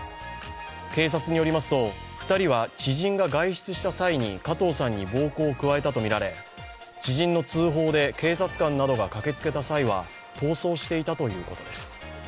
警察によりますと２人は知人が外出した際に加藤さんに暴行を加えたとみられ知人の通報で警察官などが駆けつけた際は逃走していたということです。